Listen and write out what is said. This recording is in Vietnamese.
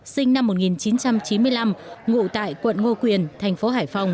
sinh năm một nghìn chín trăm chín mươi năm ngụ tại quận ngô quyền thành phố hải phòng